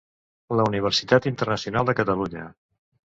La Universitat Internacional de Catalunya.